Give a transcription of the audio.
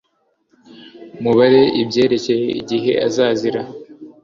Mubaze ibyerekeye igihe azazira